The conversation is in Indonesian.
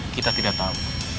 kita tidak tahu